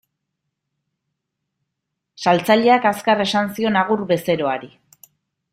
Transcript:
Saltzaileak azkar esan zion agur bezeroari.